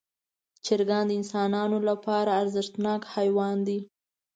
چرګان د انسانانو لپاره ارزښتناک حیوانات دي.